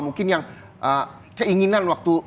mungkin yang keinginan waktu